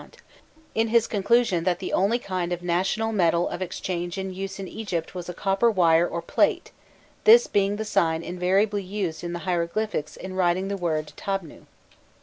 Lenormant, in his conclusion that the only kind of national metal of exchange in use in Egypt was a copper wire or plate bent thus []. this being the sign invariably used in the hieroglyphics in writing the word tàbnû.